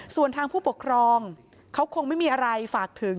ส่วนทางผู้ปกครองเขาคงไม่มีอะไรฝากถึง